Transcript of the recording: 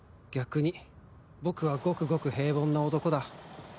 逆に僕はごくごく平凡な男だ